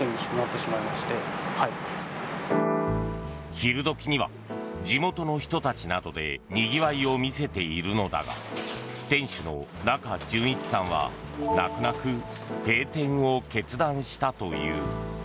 昼時には地元の人たちなどでにぎわいを見せているのだが店主の中純一さんは泣く泣く閉店を決断したという。